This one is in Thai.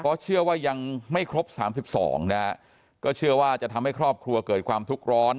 เพราะเชื่อว่ายังไม่ครบสามสิบสองนะฮะก็เชื่อว่าจะทำให้ครอบครัวเกิดความทุกข์ร้อน